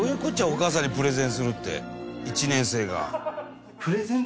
お母さんにプレゼンするって１年生が。